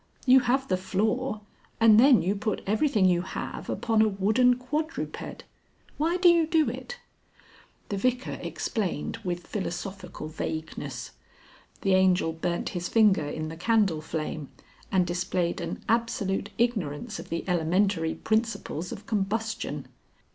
"You have the floor, and then you put everything you have upon a wooden quadruped. Why do you do it?" The Vicar explained with philosophical vagueness. The Angel burnt his finger in the candle flame and displayed an absolute ignorance of the elementary principles of combustion.